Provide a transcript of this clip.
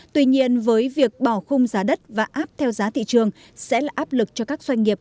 tuy nhiên với việc bỏ khung giá đất và áp theo giá thị trường sẽ là áp lực cho các doanh nghiệp